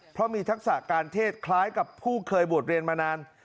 เพราะมีทักษะการเทศคล้ายกับผู้เคยบวชเรียนมานาน